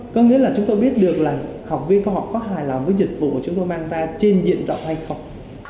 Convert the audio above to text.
có nghĩa là chúng tôi biết được là học viên có hài lòng với dịch vụ mà chúng tôi mang ra trên diện trọng hay không